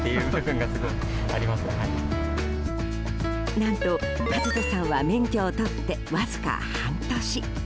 何と、一斗さんは免許を取ってわずか半年。